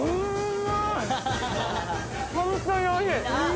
本当においしい。